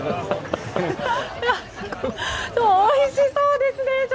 おいしそうですね。